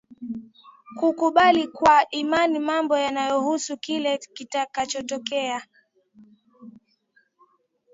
kukubali kwa imani mambo yanayohusu kile kitakachotokea